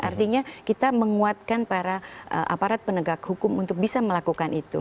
artinya kita menguatkan para aparat penegak hukum untuk bisa melakukan itu